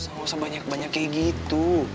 nggak usah banyak banyak kayak gitu